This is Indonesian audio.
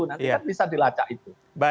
nanti kan bisa dilacak itu